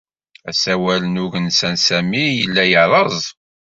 Asawal n ugensa n Sami yella yerreẓ.